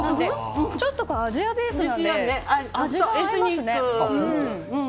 ちょっとアジアベースなので味が合いますね。